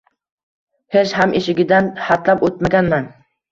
Hech ham eshigidan hatlab o‘tmaganman.